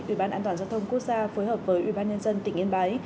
ủy ban an toàn giao thông quốc gia phối hợp với ủy ban nhân dân tỉnh yên bái